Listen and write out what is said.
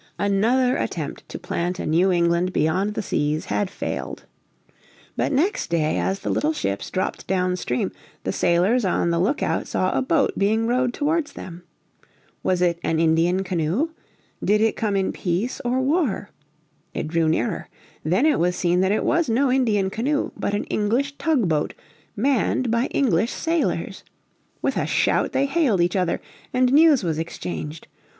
Another attempt to plant a New England beyond the seas had failed. But next day as the little ships dropped down stream the sailors on the lookout saw a boat being rowed towards them. Was it an Indian canoe? Did it come in peace or war? It drew nearer. Then it was seen that it was no Indian canoe, but an English tug boat manned by English sailors. With a shout they hailed each other, and news was exchanged.